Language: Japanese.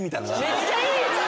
めっちゃいい！